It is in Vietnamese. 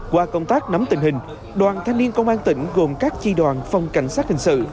qua công tác nắm tình hình đoàn thanh niên công an tỉnh gồm các chi đoàn phòng cảnh sát hình sự